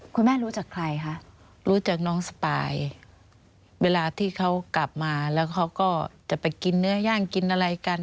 คุณแม่รู้จักใครคะรู้จักน้องสปายเวลาที่เขากลับมาแล้วเขาก็จะไปกินเนื้อย่างกินอะไรกัน